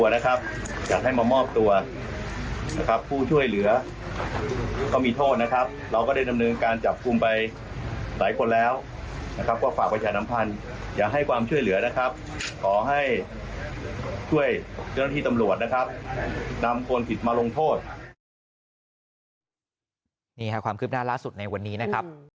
นี่ค่ะความคืบหน้าล่าสุดในวันนี้นะครับ